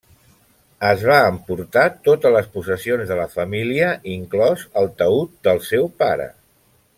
Es va emportar totes les possessions de la família, inclòs el taüt del seu pare.